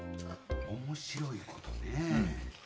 面白いことね。